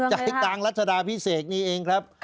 ใจกลางรัชดาพิเศษนี่เองครับ